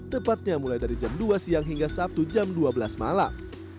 tepatnya mulai dari jam dua siang hingga sabtu jam dua belas malam